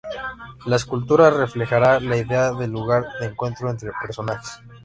La escultura reflejará la idea de lugar de encuentro entre personas.